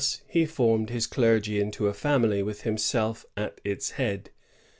Thua he formed his clergy into a family with him self at its head.